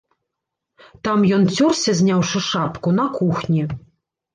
Там ён цёрся, зняўшы шапку, на кухні.